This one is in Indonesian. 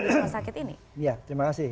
di rumah sakit ini ya terima kasih